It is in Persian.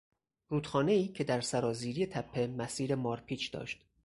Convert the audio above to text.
رودخانهای که در سرازیری تپه مسیر مارپیچ داشت